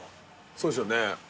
そうですよね。